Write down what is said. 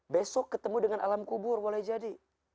besok ketemu dengan alam kubur boleh jadi